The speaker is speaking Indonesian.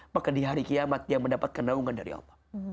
maka di hari kiamat dia mendapatkan naungan dari allah